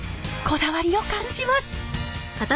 こだわりを感じます！